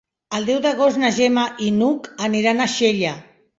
El deu d'agost na Gemma i n'Hug aniran a Xella.